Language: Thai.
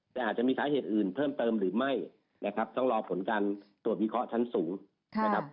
แต่อาจจะมีสาเหตุอื่นเพิ่มเติมหรือไม่นะครับต้องรอผลการตรวจวิเคราะห์ชั้นสูงนะครับ